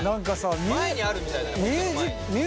前にあるみたいだね